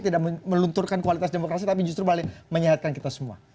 tidak melunturkan kualitas demokrasi tapi justru balik menyehatkan kita semua